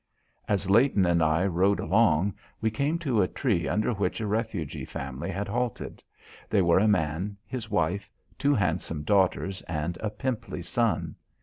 As Leighton and I rode along, we came to a tree under which a refugee family had halted. They were a man, his wife, two handsome daughters and a pimply son.